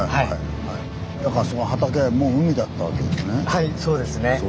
はいそうですね。